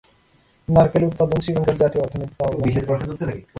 নারকেল উৎপাদন শ্রীলঙ্কার জাতীয় অর্থনীতিতে অবদান রাখে।